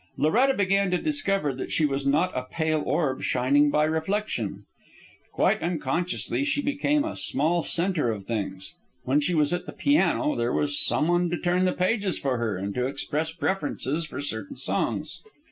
Loretta began to discover that she was not a pale orb shining by reflection. Quite unconsciously she became a small centre of things. When she was at the piano, there was some one to turn the pages for her and to express preferences for certain songs.